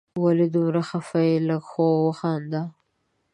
ولي دومره خفه یې ؟ لږ خو وخانده